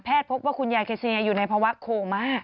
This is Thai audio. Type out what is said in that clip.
แพทย์พบว่าคุณยายเคซีเนียร์อยู่ในภาวะโคม่า